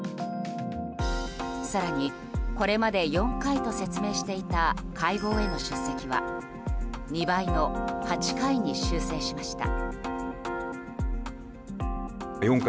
更にこれまで４回と説明していた会合への出席は２倍の８回に修正しました。